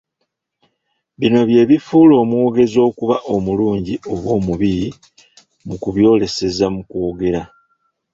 Bino bye bifuula omwogezi okuba omulungi oba omubi mu kubyoleseza mu kwogera .